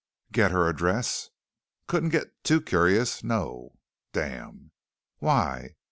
"Get her address?" "Couldn't get too curious. No." "Damn." "Why?"